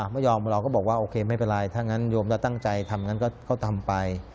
ไม่ยอมเราก็บอกว่าโอเคไม่เป็นไรถ้างั้นโยมแล้วตั้งใจทำงั้นก็ทำไป